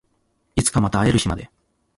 いつかまた会える日まで